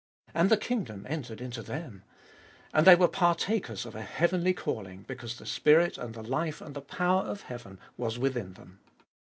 And the kingdom entered into them. And they were partakers of a heavenly calling, because the spirit and the life and the power of heaven was within them.